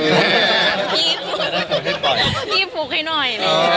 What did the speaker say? ครี๊บผูกให้หน่อย